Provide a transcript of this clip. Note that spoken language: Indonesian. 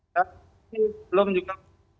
tapi belum juga